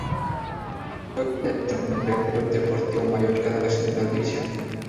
Juega de delantero en el Real Club Deportivo Mallorca de la Segunda División.